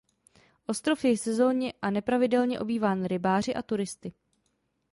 Ostrov je sezónně a nepravidelně obýván rybáři a turisty.